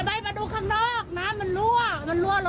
สวยชีวิตทั้งคู่ก็ออกมาไม่ได้อีกเลยครับ